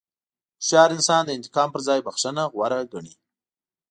هوښیار انسان د انتقام پر ځای بښنه غوره ګڼي.